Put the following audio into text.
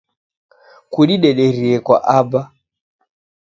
Kudidederie kwa aba